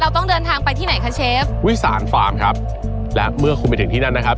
ต้องเดินทางไปที่ไหนคะเชฟวิสานฟาร์มครับและเมื่อคุณไปถึงที่นั่นนะครับ